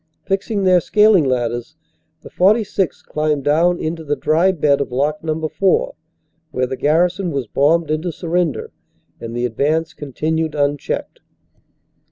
Fixing their scaling ladders, the 46th. climbed down into the dry bed of lock No. 4, where the garrison was bombed into surrender, and the advance con tinued unchecked.